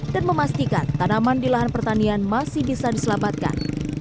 memastikan tanaman di lahan pertanian masih bisa diselamatkan